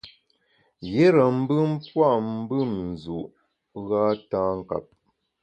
Yire mbùm pua’ mbùm nzu’ gha tâ nkap.